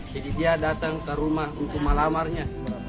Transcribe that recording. jadi dia datang ke rumah untuk malamarnya